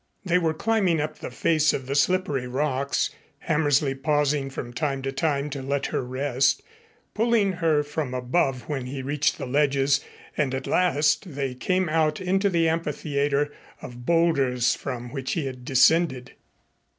They were climbing up the face of the slippery rocks, Hammersley pausing from time to time to let her rest, pulling her from above when he reached the ledges, and at last they came out into the amphitheater of bowlders from which he had descended.